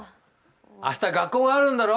明日学校があるんだろ！